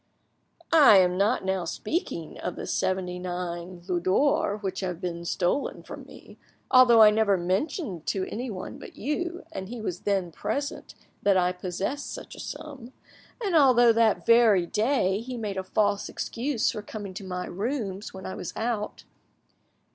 "I am not now speaking of the seventy nine Louis d'or which have been stolen from me, although I never mentioned to anyone but you, and he was then present, that I possessed such a sum, and although that very day he made a false excuse for coming to my rooms when I was out.